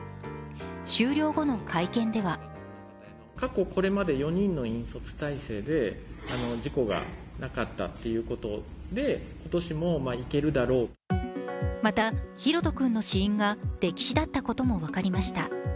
終了後の会見ではまた、大翔君の死因が溺死だったことも分かりました。